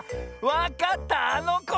わかったあのこだ！